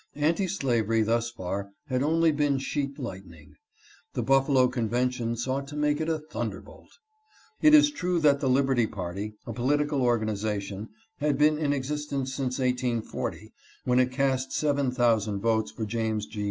Anti slavery thus far had only been sheet light ning ; the Buffalo convention sought to make it a thunder bolt. It is true the Liberty party, a political organization, had been in existence since 1840, when it cast seven thousand votes for James G.